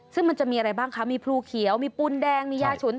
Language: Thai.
ซึ่งมันจะมีอะไรบ้างคะมีพลูเขียวมีปูนแดงมียาฉุน